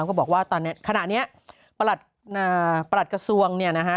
ก็บอกว่าตอนนี้ขณะนี้ประหลัดกระทรวงเนี่ยนะฮะ